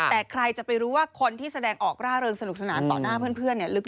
แต่ใครจะไปรู้ว่าคนที่แสดงออกร่าเริงสนุกสนานต่อหน้าเพื่อนเนี่ยลึก